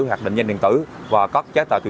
hoặc định danh điện tử và các trái tạo